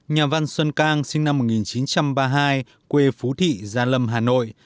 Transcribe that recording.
nhà văn xuân cang sinh năm một nghìn chín trăm ba mươi hai quê phú thị gia lâm hà nội